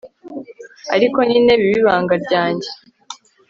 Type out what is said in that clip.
ariko nyine bibe ibanga ryannjye